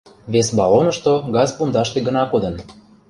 — Вес баллонышто газ пундаште гына кодын.